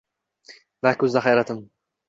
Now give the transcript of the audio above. Na ko’zda hayratim